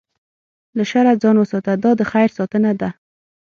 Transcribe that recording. له شره ځان وساته، دا د خیر ساتنه ده.